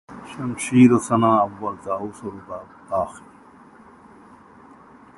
شمشیر و سناں اول طاؤس و رباب آخر